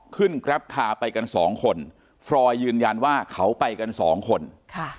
แกรปคาร์ไปกันสองคนฟรอยยืนยันว่าเขาไปกันสองคนค่ะ